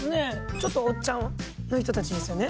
ちょっとおっちゃんの人たちですよね？